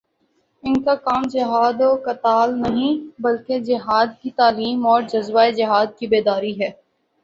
ان کا کام جہاد و قتال نہیں، بلکہ جہادکی تعلیم اور جذبۂ جہاد کی بیداری ہے